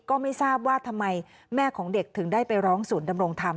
ก็ไม่ทราบว่าทำไมแม่ของเด็กถึงได้ไปร้องศูนย์ดำรงธรรม